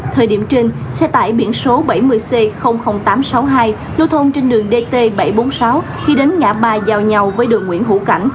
thời điểm trên xe tải biển số bảy mươi c tám trăm sáu mươi hai lưu thông trên đường dt bảy trăm bốn mươi sáu khi đến ngã ba giao nhau với đường nguyễn hữu cảnh